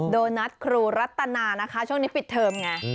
โดนัทครูรัตนานะคะช่วงนี้ปิดเทอมไง